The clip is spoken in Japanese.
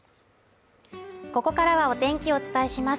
ここからはお天気をお伝えします